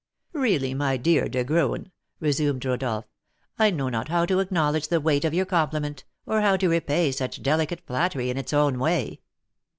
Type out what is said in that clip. "Really, my dear De Graün," resumed Rodolph, "I know not how to acknowledge the weight of your compliment, or how to repay such delicate flattery in its own way."